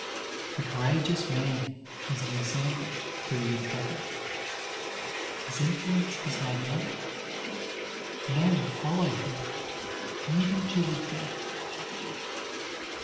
The courageous man is an example to the intrepid. His influence is magnetic. Men follow him, even to the death.